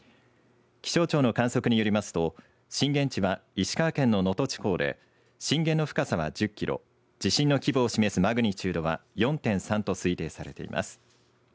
気象庁の観測によりますと震源地は石川県の能登地方で震源の深さは１０キロ、地震の規模を示すマグニチュードは４．３と推定されています。